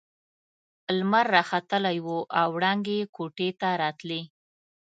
لمر راختلی وو او وړانګې يې کوټې ته راتلې.